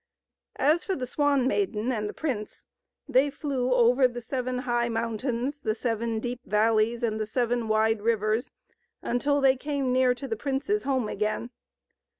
As for the Swan Maiden and the prince, they flew over the seven high mountains, the seven deep valleys, and the seven wide rivers, until they came near to the prince's home again.